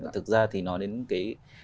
thực ra thì nói đến cái